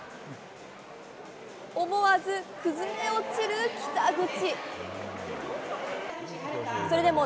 思わず、崩れ落ちる北口。